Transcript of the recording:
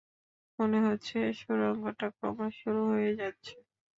মনে হচ্ছে সুরঙ্গটা ক্রমশ সরু হয়ে যাচ্ছে।